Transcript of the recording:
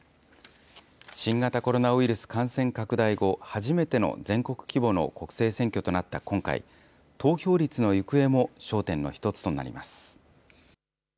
新型コロナウイルス感染拡大後、初めての全国規模の国政選挙となった今回、投票率の行方も焦点の一つとなります。